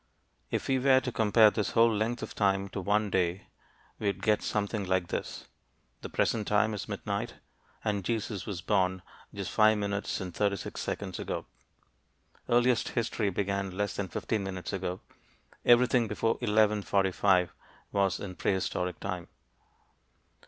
If we were to compare this whole length of time to one day, we'd get something like this: The present time is midnight, and Jesus was born just five minutes and thirty six seconds ago. Earliest history began less than fifteen minutes ago. Everything before 11:45 was in prehistoric time.